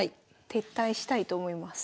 撤退したいと思います。